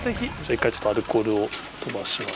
１回ちょっとアルコールを飛ばします。